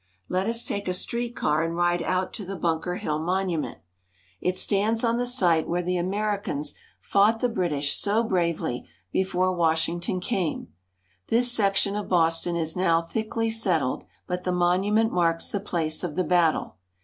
Let us take a street car and ride out to the Bunker Hill Monument. It stands on the site where the Bunker Hill Monument. THE BOSTON TEA PARTY. 95 Americans fought the British so bravely before Washing ton came. This section of Boston is now thickly settled, but the monument marks the place of the battle.